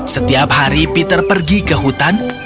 setiap hari peter pergi ke hutan